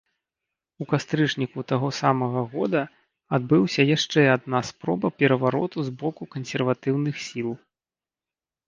У кастрычніку таго самага года адбыўся яшчэ адна спроба перавароту з боку кансерватыўных сіл.